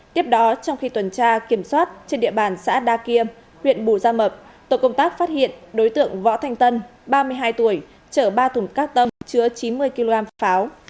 tiếp đó trong khi tuần tra kiểm soát trên địa bàn xã đa kiêm huyện bù gia mập tổ công tác phát hiện đối tượng võ thanh tân ba mươi hai tuổi chở ba thùng các tông chứa chín mươi kg pháo